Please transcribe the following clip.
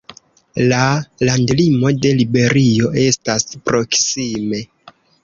La landlimo de Liberio estas proksime.